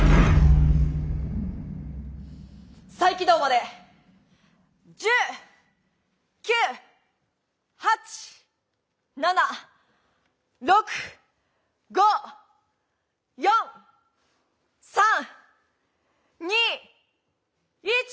再起動まで１０９８７６５４３２１。